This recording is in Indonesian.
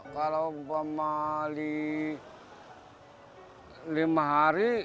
kalau memali lima hari